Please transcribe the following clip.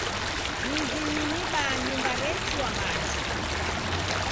Mizinyi mibaa nyumba rechua machi.